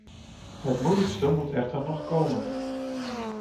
Het moeilijkste moet echter nog komen.